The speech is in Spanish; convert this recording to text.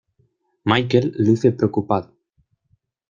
Michael luce preocupado.